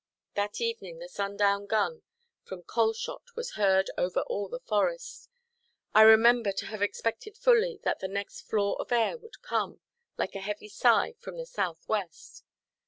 That evening, the sundown gun from Calshot was heard over all the forest. I remember to have expected fully that the next flaw of air would come, like a heavy sigh, from the south–west.